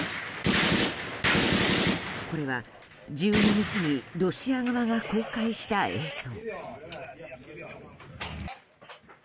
これは、１２日にロシア側が公開した映像。